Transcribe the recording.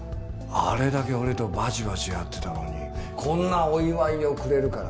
あれだけ俺とバチバチやってたのにこんなお祝いをくれるから。